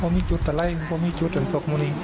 ไม่ได้จุดอะไรไม่ได้จุดจักรมูล